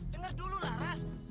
denger dulu laras